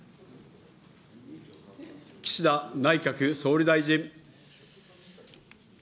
岸田内閣総理大臣。